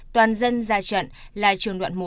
toàn dân ra trận là trường đoạn một